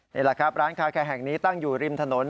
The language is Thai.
นี่แหละครับร้านคาแคร์แห่งนี้ตั้งอยู่ริมถนน